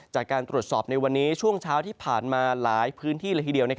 จากการตรวจสอบในวันนี้ช่วงเช้าที่ผ่านมาหลายพื้นที่ละทีเดียว